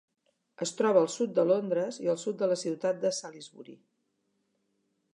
Es troba al sud de Londres i al sud de la ciutat de Salisbury.